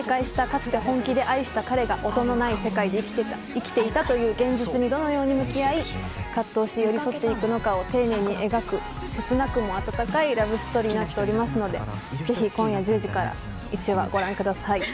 かつて本気で愛した彼が音のない世界で生きていたという現実にどのように向き合い葛藤し寄り添っていくのかを丁寧に描く切なくも温かいラブストーリーになっておりますのでぜひ今夜１０時から１話、ご覧ください。